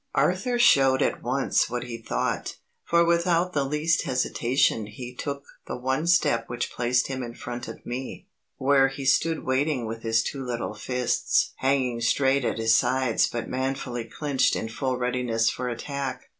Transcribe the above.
Arthur showed at once what he thought, for without the least hesitation he took the one step which placed him in front of me, where he stood waiting with his two little fists hanging straight at his sides but manfully clenched in full readiness for attack.